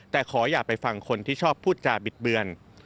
แต่ขออย่าไปฟังคนที่ชอบพูดจาบิดเบือน